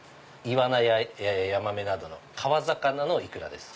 イワナやヤマメなど川魚のイクラです。